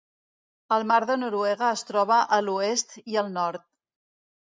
El mar de Noruega es troba a l'oest i al nord.